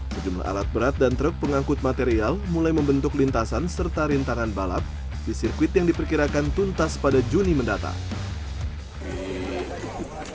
sejumlah alat berat dan truk pengangkut material mulai membentuk lintasan serta rintangan balap di sirkuit yang diperkirakan tuntas pada juni mendatang